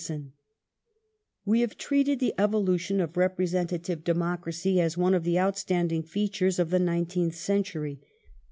Reorgani We have treated the evolution of representative democracy as zation of Q^e of the outstanding features of the nineteenth century.